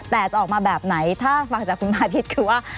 แต่จะออกมาแบบไหนถ้าฟังจากคุณพาทิศคือว่า